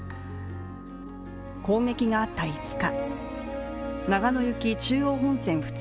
攻撃があった５日、長野行き中央本線普通